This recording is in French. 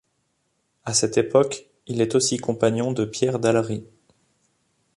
À cette époque, il est aussi compagnon de Pierre Dallery.